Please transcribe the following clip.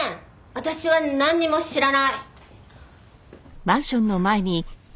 私はなんにも知らない。